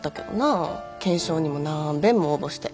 懸賞にも何べんも応募して。